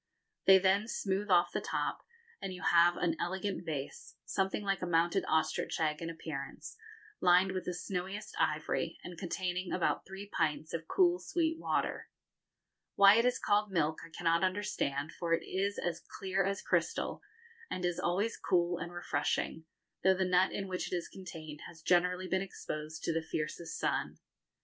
They then smooth off the top, and you have an elegant vase, something like a mounted ostrich egg in appearance, lined with the snowiest ivory, and containing about three pints of cool sweet water. Why it is called milk I cannot understand, for it is as clear as crystal, and is always cool and refreshing, though the nut in which it is contained has generally been exposed to the fiercest sun.